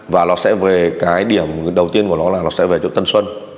và nó sẽ về cái điểm đầu tiên của nó là nó sẽ về chỗ tân xuân